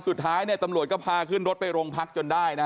สุดท้ายเนี่ยตำรวจก็พาขึ้นรถไปโรงพักจนได้นะฮะ